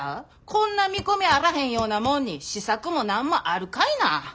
こんな見込みあらへんようなもんに試作も何もあるかいな。